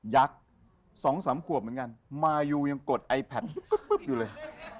ักษ์๒๓ขวบเหมือนกันมายูยังกดไอแพทึบอยู่เลย